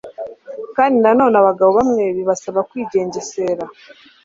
kandi nanone abagabo bamwe bibasaba kwigengesera